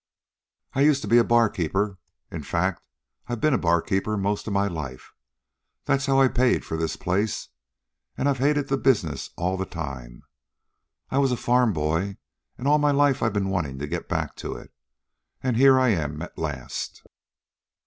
I... I used to be a barkeeper. In fact, I've been a barkeeper most of my life. That's how I paid for this place. And I've hated the business all the time. I was a farm boy, and all my life I've been wanting to get back to it. And here I am at last."